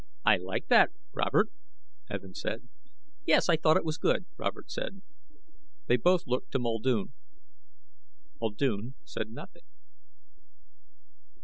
"I like that, Robert," Evin said. "Yes, I thought it was good," Robert said. They both looked to Muldoon. Muldoon said nothing.